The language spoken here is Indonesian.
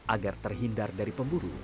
agar terhindar dari pemburu